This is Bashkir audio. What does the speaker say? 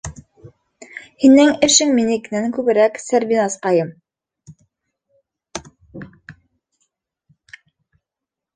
Һинең эшең минекенән күберәк, Сәрбиназҡайым.